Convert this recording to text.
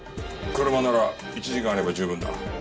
車なら１時間あれば十分だ。